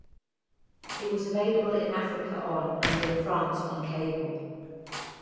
It was available in Africa on and in France on cable.